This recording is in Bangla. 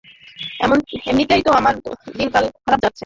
এমনিতেই তো আমার দিনকাল খারাপ যাচ্ছে।